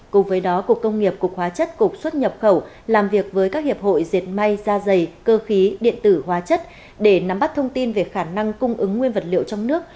cùng với đó cục công nghiệp cục hóa chất cục xuất nhập khẩu làm việc với các hiệp hội diệt may da dày cơ khí điện tử hóa chất để nắm bắt thông tin về khả năng cung ứng nguyên vật liệu trong nước